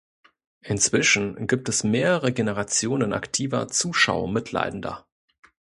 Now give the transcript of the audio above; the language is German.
Inzwischen gibt es mehrere Generationen aktiver „Zuschau-Mitleidender“.